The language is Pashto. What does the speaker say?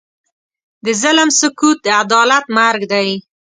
د ظلم سکوت، د عدالت مرګ دی.